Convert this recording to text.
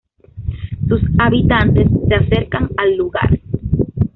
Sus habitantes se acercan al lugar.